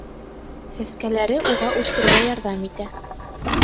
Сәскәләре уға үрсергә ярҙам итә...